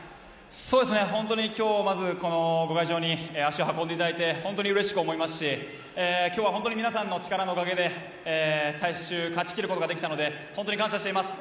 今日、会場に足を運んでいただいてうれしく思いますし今日は皆さんの力のおかげで勝ち切ることができたので感謝しています。